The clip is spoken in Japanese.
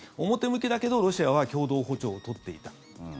表向きだけどロシアは共同歩調を取っていた。